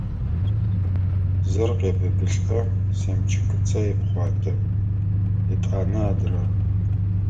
Зыр къебыбылӏэ, семчыкыцэ епхъуатэ, етӏанэ – адрэр…